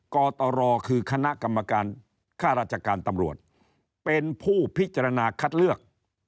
กตรคือคณะกรรมการค่าราชการตำรวจเป็นผู้พิจารณาคัดเลือก